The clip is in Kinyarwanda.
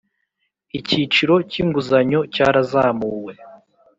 Icyiciro cy’ Inguzanyo cyarazamuwe